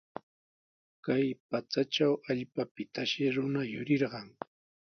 Kay pachatraw allpapitashi runa yurirqan.